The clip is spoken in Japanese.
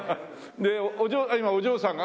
で今お嬢さんが。